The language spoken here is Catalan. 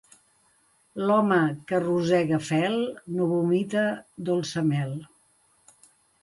L'home que rosega fel no vomita dolça mel.